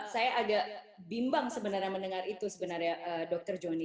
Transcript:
saya agak bimbang sebenarnya mendengar itu dokter johani